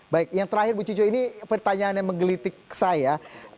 baik yang terakhir ibu cicu ini pertanyaan yang menggelitik saya